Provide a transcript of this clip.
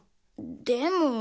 でも。